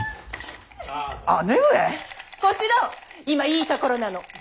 今いいところなの。